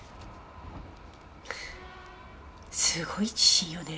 すごい自信よね